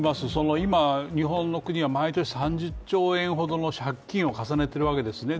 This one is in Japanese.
今、日本の国は毎年、３０兆円ほどの借金を重ねているわけですね。